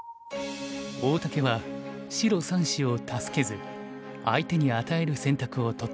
大竹は白３子を助けず相手に与える選択をとった。